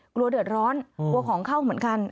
กลัวเดือดร้อนกลัวของเข้าเหมือนกัน